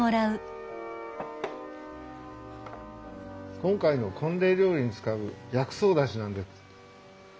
今回の婚礼料理に使う薬草だしなんです。